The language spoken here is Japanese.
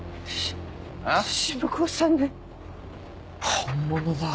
本物だ。